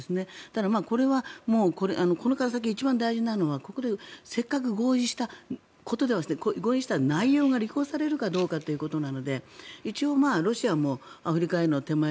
ただ、これはこれから先一番大事なのはここでせっかく合意した内容が履行されるかどうかということなので一応、ロシアもアフリカへの手前